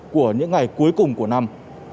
của những ngày cuối cùng của năm